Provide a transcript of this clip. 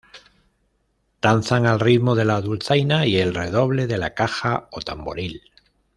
Danzan al ritmo de la dulzaina y el redoble de la caja o tamboril.